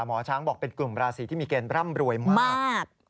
หมอช้างบอกเป็นกลุ่มราศีที่มีเกณฑ์ร่ำรวยมาก